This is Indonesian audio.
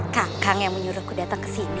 kak kang yang menyuruhku datang kesini